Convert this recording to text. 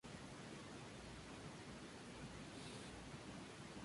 Benedict es un cartero que trabaja en la compañía postal.